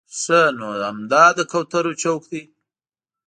ښه نو همدا د کوترو چوک دی.